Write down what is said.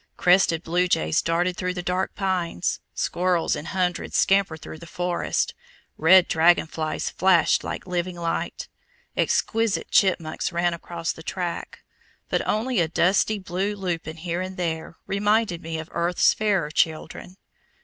Crested blue jays darted through the dark pines, squirrels in hundreds scampered through the forest, red dragon flies flashed like "living light," exquisite chipmunks ran across the track, but only a dusty blue lupin here and there reminded me of earth's fairer children.